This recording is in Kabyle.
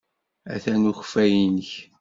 Atan ukeffay-nnek.